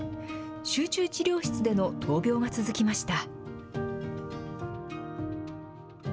集中治療室での闘病が続きました。